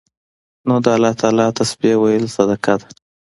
نو د الله تعالی تسبيح ويل صدقه ده